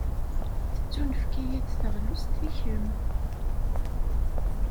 Tettunefk-iyi-d teɣlust i kemm.